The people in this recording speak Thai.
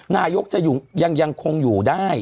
นายกจะยังคงอยู่ได้